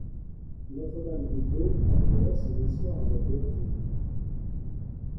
Notre-Dame-du-Pé partagea son histoire avec l'Anjou.